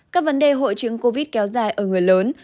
các vấn đề hội chứng covid kéo dài ở người lớn